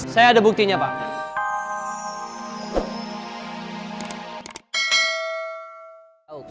saya ada buktinya pak